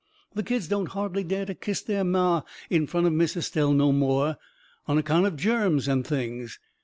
The kids don't hardly dare to kiss their ma in front of Miss Estelle no more, on account of germs and things.